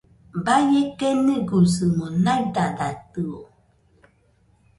Baie keniguisɨmo naidadatɨo